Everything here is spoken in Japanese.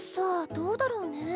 どうだろうね。